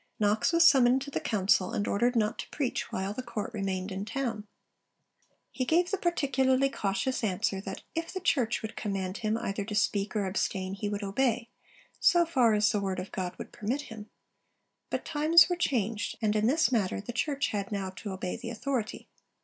Knox was summoned to the Council, and ordered not to preach while the Court remained in town. He gave the particularly cautious answer that 'if the Church would command him either to speak or abstain, he would obey, so far as the Word of God would permit him'; but times were changed, and in this matter the Church had now to obey the Authority.